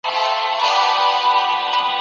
تاسو د عدالت د تامين له پاره مبارزه کوله.